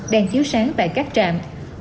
đèn chiếu sáng tại các trạm